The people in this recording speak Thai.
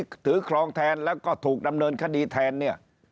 ถือครองแทนแล้วก็ถูกดำเนินคดีแทนเนี่ย